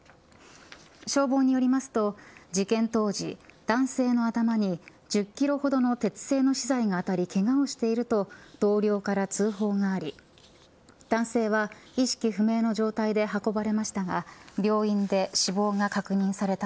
消防によりますと、事件当時男性の頭に１０キロほどの鉄製の資材が当たりけがをしていると同僚から通報があり男性は意識不明の状態で運ばれましたが病院で死亡が確認されました。